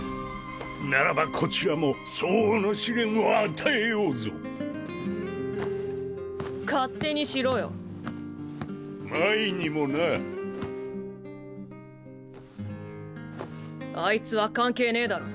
ならばこちらも相応の試練を与えよう勝手にしろよ真依にもなあいつは関係ねぇだろ